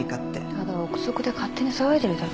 ただ憶測で勝手に騒いでるだけでしょ。